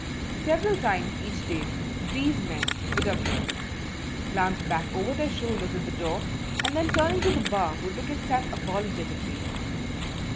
Several times each day these men would appear, glance back over their shoulders at the door, and then turning to the bar would look at Sam apologetically.